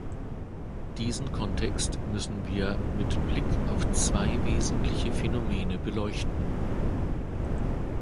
Diesen Kontext müssen wir mit Blick auf zwei wesentliche Phänomene beleuchten.